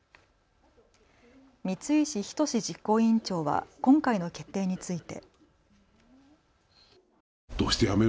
三石仁実行委員長は今回の決定について。